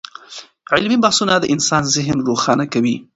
علمي بحثونه د انسان ذهن روښانه کوي.